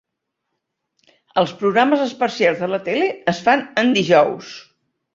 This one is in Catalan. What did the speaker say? Els programes especials de la tele es fan en dijous.